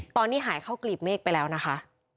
ตอนนี้หายเข้ากลีบเมฆไปแล้วนะคะ